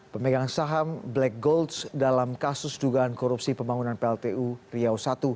pemegang saham black golds dalam kasus dugaan korupsi pembangunan pltu riau i